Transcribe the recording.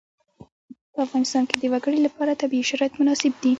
په افغانستان کې د وګړي لپاره طبیعي شرایط مناسب دي.